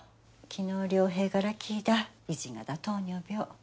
昨日良平から聞いた１型糖尿病。